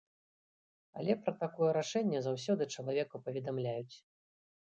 Але пра такое рашэнне заўсёды чалавеку паведамляюць.